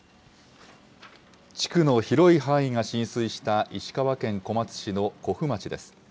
地区の広い範囲が浸水した石川県小松市の古府町です。